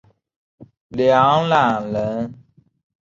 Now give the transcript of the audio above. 梁览人。